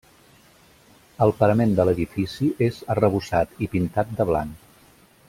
El parament de l’edifici és arrebossat i pintat de blanc.